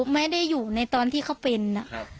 ไม่ได้อยู่ในตอนที่เขาเป็น